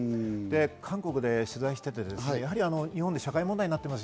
韓国で取材しててやはり日本で社会問題になってますよね。